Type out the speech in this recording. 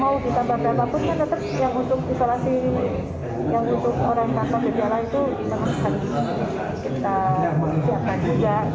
tetapi kan mau ditambah ke apapun tetap yang untuk isolasi yang untuk orang yang tanpa gejala itu kita siapkan juga